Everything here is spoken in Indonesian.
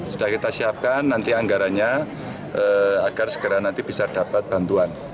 sudah kita siapkan nanti anggarannya agar segera nanti bisa dapat bantuan